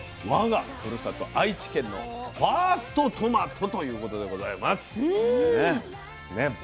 我がふるさと愛知県のファーストトマトということでございますね。